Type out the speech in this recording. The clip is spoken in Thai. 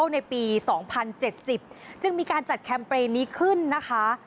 ในปี๒๐๗๐จึงมีการจัดแคมเปญนี้ขึ้นนะคะ